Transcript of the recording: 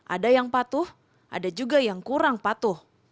ada yang patuh ada juga yang kurang patuh